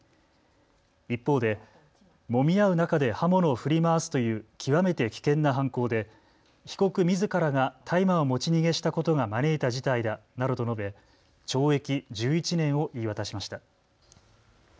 一方で、もみ合う中で刃物を振り回すという極めて危険な犯行で被告みずからが大麻を持ち逃げしたことが招いた事態だなどと述べ懲役１１年を言い渡しました。